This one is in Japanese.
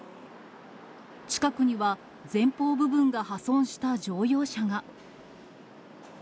近くには、前方部分が破損した乗用車が。